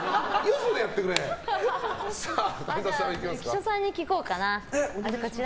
浮所さんに聞こうかな。